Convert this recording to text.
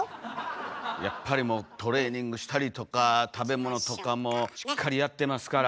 やっぱりトレーニングしたりとか食べ物とかもしっかりやってますから。